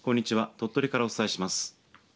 鳥取からお伝えします。